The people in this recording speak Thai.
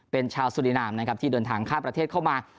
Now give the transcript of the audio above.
เป็นชาวสุรินามนะครับที่เดินทางข้ามประเทศเข้ามา